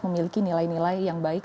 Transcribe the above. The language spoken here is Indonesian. memiliki nilai nilai yang baik